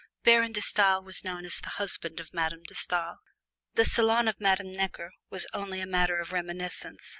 Baron De Stael was known as the husband of Madame De Stael. The salon of Madame Necker was only a matter of reminiscence.